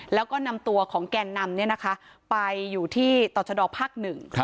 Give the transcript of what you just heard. แล้วก็นำตัวของแกนนำไปอยู่ที่ต่อชะดอภาคหนึ่ง